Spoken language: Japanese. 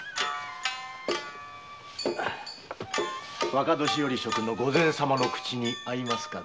若年寄職の御前様のお口に合いますかどうか。